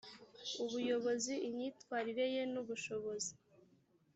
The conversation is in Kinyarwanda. ubuyobozi imyitwarire ye n ubushobozi